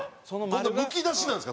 こんなむき出しなんですか？